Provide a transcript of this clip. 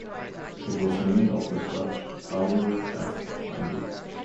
It was named after Judge Elmer S. Dundy.